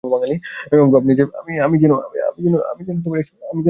এমন ভাব নিচ্ছে যেন আমি এসব কখনো করিনি।